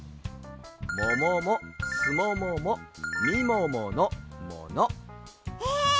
もももすもももみもものもの。え！